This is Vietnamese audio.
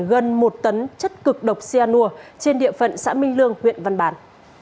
gần một tấn chất cực độc cyanur trên địa phận xã minh lương huyện văn bàn